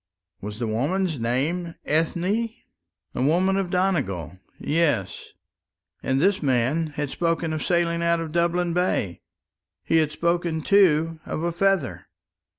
Was the woman's name Ethne? A woman of Donegal yes; and this man had spoken of sailing out of Dublin Bay he had spoken, too, of a feather.